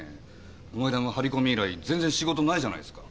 この間の張り込み以来全然仕事ないじゃないですか。